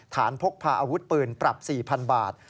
พกพาอาวุธปืนปรับ๔๐๐๐บาท